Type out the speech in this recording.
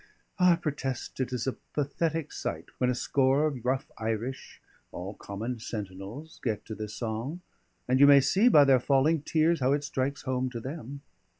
"I protest it is a pathetic sight when a score of rough Irish, all common sentinels, get to this song; and you may see, by their falling tears, how it strikes home to them.